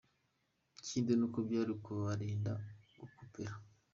Ikindi ni uko byari ukubarinda gukopera.